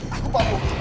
aku pak bu